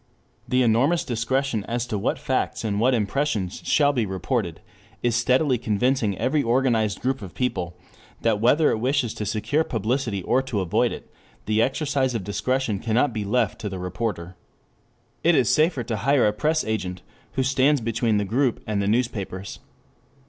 The enormous discretion as to what facts and what impressions shall be reported is steadily convincing every organized group of people that whether it wishes to secure publicity or to avoid it, the exercise of discretion cannot be left to the reporter. It is safer to hire a press agent who stands between the group and the newspapers.